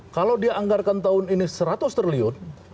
kalau dia anggarkan tahun ini seratus triliun